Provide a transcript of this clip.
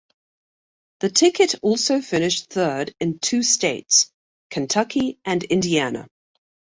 The ticket also finished third in two states: Kentucky and Indiana.